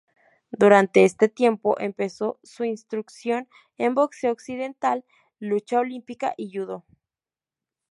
Durante este tiempo empezó su instrucción en Boxeo occidental, lucha olímpica y Judo.